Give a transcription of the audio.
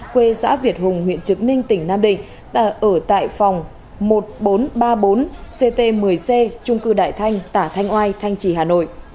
quê xã việt hùng huyện trực ninh tỉnh nam định ở tại phòng một nghìn bốn trăm ba mươi bốn ct một mươi c trung cư đại thanh tả thanh oai thanh trì hà nội